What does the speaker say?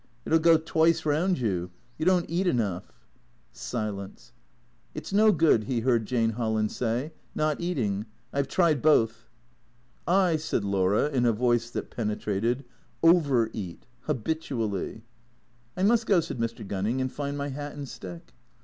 It '11 go twice round you. You don't eat enough." Silence. " It 's no good," he heard Jane Holland say, " not eating. I 've tried both." " I," said Laura in a voice that penetrated, " over eat. Ha bitually." " I must go," said Mr. Gunning, " and find my hat and stick."